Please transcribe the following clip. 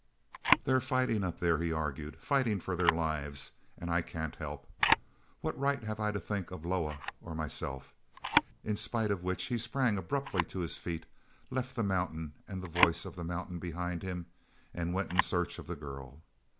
"They're fighting up there," he argued, "fighting for their lives, and I can't help. What right have I to think of Loah or myself?" In spite of which he sprang abruptly to his feet, left the mountain and the voice of the mountain behind him, and went in search of the girl.